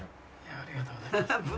ありがとうございます。